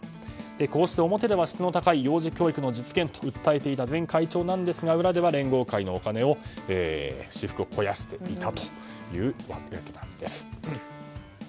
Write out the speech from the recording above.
こうして表では質の高い幼児教育の実現を訴えていた会長ですが裏では連合会のお金で私腹を肥やしていたというわけなんです。